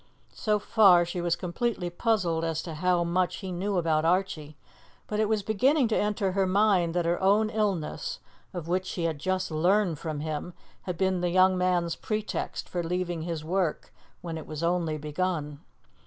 So far she was completely puzzled as to how much he knew about Archie, but it was beginning to enter her mind that her own illness, of which she had just learned from him, had been the young man's pretext for leaving his work when it was only begun.